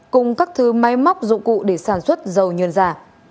cùng các thứ máy móc dụng cụ để sản xuất dầu nhân giả